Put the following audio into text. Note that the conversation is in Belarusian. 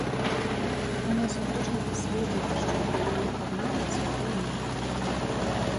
У нас у кожнага свой выбаршчык, але падманваць яго нельга.